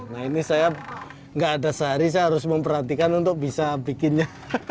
nah ini saya nggak ada sehari saya harus memperhatikan untuk bisa bikinnya